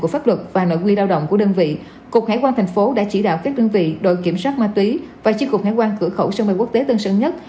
pháp cục hải quan tp hcm đã chỉ đạo các đơn vị đội kiểm soát ma túy và chiếc cục hải quan cửa khẩu sân bay quốc tế tân sân nhất